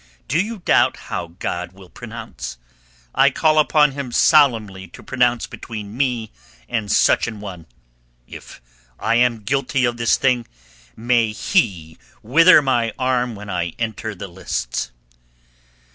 Do you doubt how God will pronounce? I call upon him solemnly to pronounce between me and such an one. If I am guilty of this thing may He wither my arm when I enter the lists."